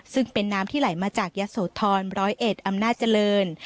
ซึ่งเป็นน้ำที่ไหลมาจากยศทรรร้อยเอ็ดอำนาจเจริญ